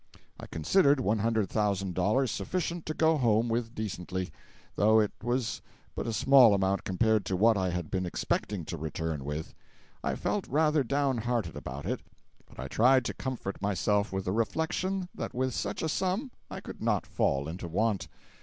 I considered $100,000 sufficient to go home with decently, though it was but a small amount compared to what I had been expecting to return with. I felt rather down hearted about it, but I tried to comfort myself with the reflection that with such a sum I could not fall into want.